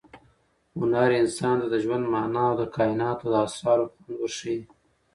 هنر انسان ته د ژوند مانا او د کائناتو د اسرارو خوند ورښيي.